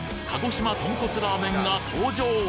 鹿児島とんこつラーメンが登場！